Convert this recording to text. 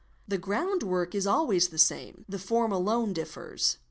The groundwork is always the same, the form alone differs.